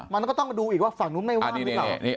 มันก็ต้องมาดูอีกว่าฝั่งนู้นไม่ว่างหรือเปล่า